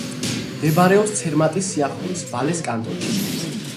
მდებარეობს ცერმატის სიახლოვეს, ვალეს კანტონში.